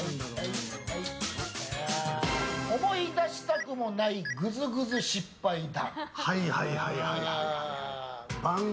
思い出したくもないグズグズ失敗談。